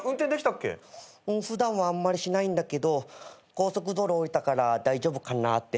うん普段はあんまりしないんだけど高速道路降りたから大丈夫かなぁって。